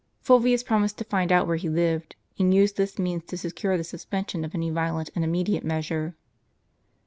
Fulvius promised to find out where he lived, and used this means to secure the suspension of any violent and immediate measure.